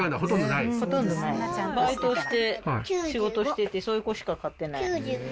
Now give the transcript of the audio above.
バイトして仕事してってそういう子しか買ってない。